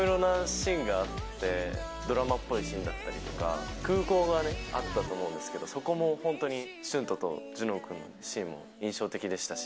いろいろなシーンがあって、ドラマっぽいシーンだったりとか、空港があったと思うんですけど、そこも本当にシュントとジュノン君のシーンも印象的でしたし。